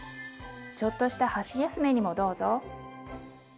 ちょっとした箸休めにもどうぞ。